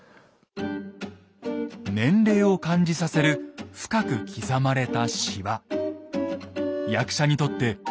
年齢を感じさせる深く刻まれたしわ。